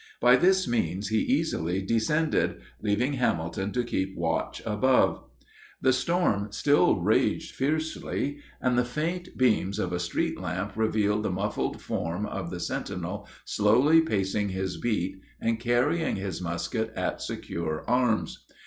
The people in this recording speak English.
By this means he easily descended, leaving Hamilton to keep watch above. The storm still raged fiercely, and the faint beams of a street lamp revealed the muffled form of the sentinel slowly pacing his beat and carrying his musket at "secure" arms.